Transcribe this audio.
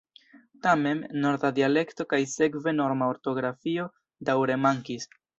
Tamen, norma dialekto kaj sekve norma ortografio daŭre mankis.